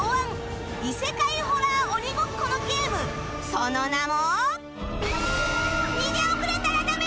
その名も